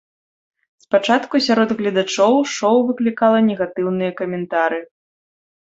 Спачатку сярод гледачоў шоу выклікала негатыўныя каментары.